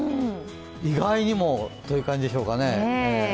意外にもという感じでしょうかね。